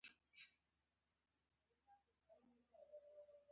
پراخ انحصار او د واکمنانو سیاسي ملاتړ متضاد مفاهیم دي.